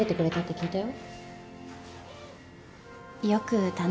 聞いたよ。